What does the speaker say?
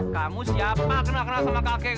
kamu siapa kenal sama kakek